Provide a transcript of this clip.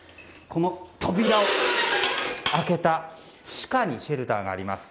この扉を開けた地下にシェルターがあります。